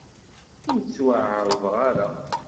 Ur d-ttwaɛerḍeɣ ara.